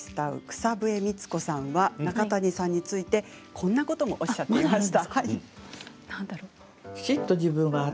草笛光子さんは中谷さんについてこんなこともおっしゃっていました。